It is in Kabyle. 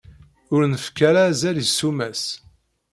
Ur nefka ara azal i ssuma-s.